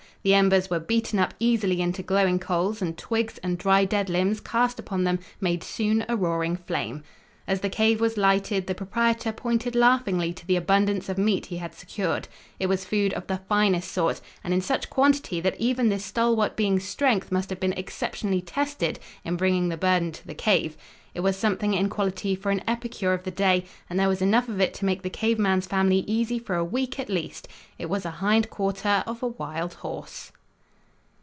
The embers were beaten up easily into glowing coals and twigs and dry dead limbs cast upon them made soon a roaring flame. As the cave was lighted the proprietor pointed laughingly to the abundance of meat he had secured. It was food of the finest sort and in such quantity that even this stalwart being's strength must have been exceptionally tested in bringing the burden to the cave. It was something in quality for an epicure of the day and there was enough of it to make the cave man's family easy for a week, at least. It was a hind quarter of a wild horse.